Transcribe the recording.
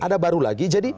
ada baru lagi